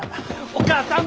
お母さん！